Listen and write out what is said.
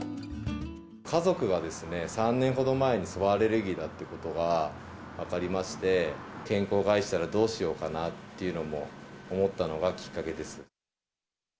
家族が３年ほど前に、そばアレルギーだっていうことが分かりまして、健康を害したらどうしようかなと思ったのがきっかけです。